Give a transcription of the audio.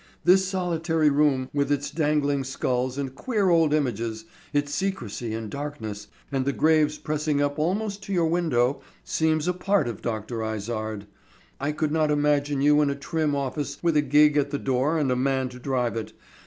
"This solitary room, with its dangling skulls and queer old images, its secrecy and darkness, and the graves pressing up almost to your window, seems a part of Dr. Izard. I could not imagine you in a trim office with a gig at the door and a man to drive it.